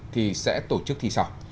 thì sẽ tổ chức thi sau